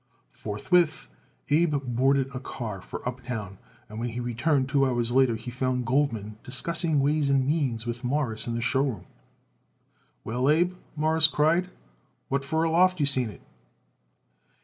Forthwith Abe boarded a car for uptown, and when he returned two hours later he found Goldman discussing ways and means with Morris in the show room. "Well, Abe," Morris cried, "what for a loft you seen it?"